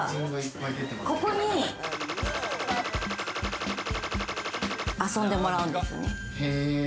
ここに遊んでもらうんです。